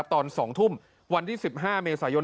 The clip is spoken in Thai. ตอน๒ทุ่มวันที่๑๕เมษายน